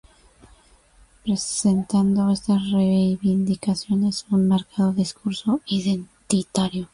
Presentando estas reivindicaciones un marcado discurso identitario.